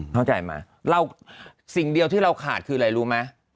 เข้าใจไหมสิ่งเดียวที่เราขาดคืออะไรรู้ไหม